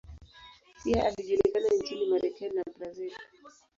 Pia alijulikana nchini Marekani na Brazil.